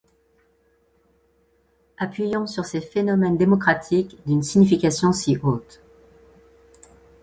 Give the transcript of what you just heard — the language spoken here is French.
Appuyons sur ces phénomènes démocratiques d'une signification si haute.